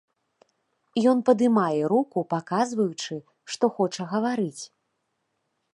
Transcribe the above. Ён падымае руку, паказваючы, што хоча гаварыць.